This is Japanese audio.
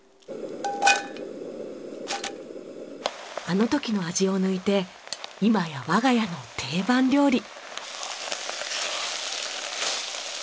あの時の味を抜いて今や我が家の定番料理。